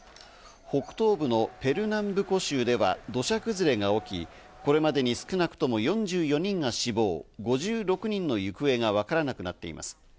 北東部のペルナンブコ州では土砂崩れが起き、これまでに少なくとも４４人が死亡、５６人の行方がわからなくなっています。